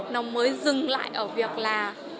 nó mới dừng lại ở việc là